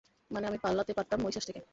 মানে, আমি পালাতে পারতাম মরিশাস থেকে।